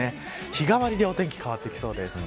日替わりでお天気、変わってきそうです。